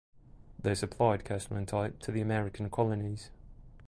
They supplied Caslon type to the American colonies.